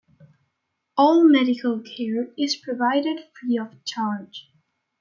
All medical care is provided free of charge.